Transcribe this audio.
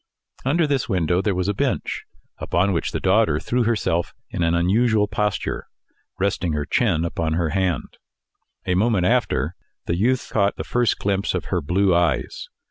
Under this window there was a bench, upon which the daughter threw herself in an unusual posture, resting her chin upon her hand. A moment after, the youth caught the first glimpse of her blue eyes.